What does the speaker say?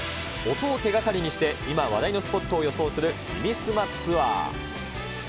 音を手がかりにして、今、話題のスポットを予想する耳すまツアー。